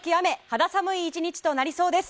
肌寒い１日となりそうです。